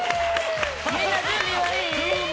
みんな準備はいい？